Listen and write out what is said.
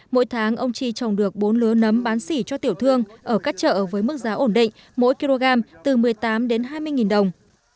mỗi tháng ông tri trồng được bốn lứa nấm bán xỉ cho tiểu thương ở các chợ với mức giá ổn định mỗi kg từ một mươi tám đến hai mươi đồng